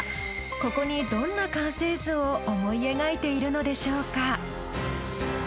ここにどんな完成図を思い描いているのでしょうか？